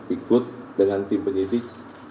ikut dengan tim penyidik